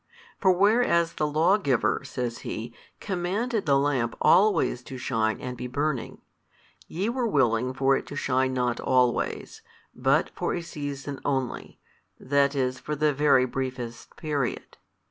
For whereas the lawgiver (says He) commanded the lamp always to shine and be burning, YE were willing for it to shine not always, but for a season only, that is for the very briefest period.